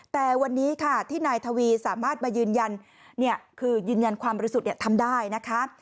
แต่วันนี้ค่ะที่นายทวีสามารถมายืนยันความรู้สึกทำได้นะคะ